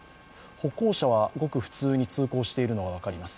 歩行者はごく普通に通行しているのが分かります。